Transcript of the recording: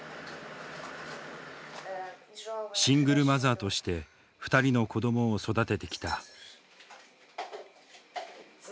シングルマザーとして２人の子どもを育ててきた。